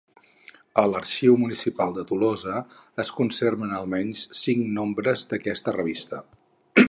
A l'Arxiu Municipal de Tolosa es conserven almenys cinc nombres d'aquesta revista.